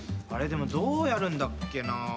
でもどうやるんだっけなぁ。